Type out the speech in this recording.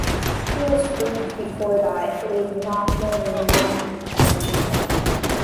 It was proved before that it is not more than one-dimensional.